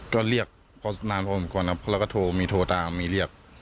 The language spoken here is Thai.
ก็เรียกพอสนานพอสมควรครับแล้วก็โทรมีโทรตามมีเรียก